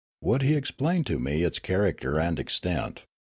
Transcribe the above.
Would he explain to me its character and extent